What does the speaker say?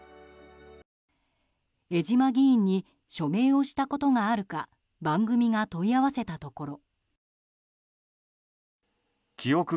江島議員に署名したことがあるか番組が問い合わせたところ。